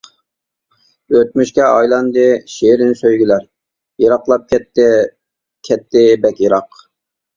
ئۆتمۈشكە ئايلاندى شېرىن سۆيگۈلەر، يىراقلاپ كەتتى، كەتتى بەك يىراق.